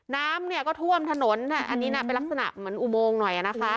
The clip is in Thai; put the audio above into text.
น้ำเนี่ยก็ท่วมถนนอันนี้น่ะเป็นลักษณะเหมือนอุโมงหน่อยนะคะ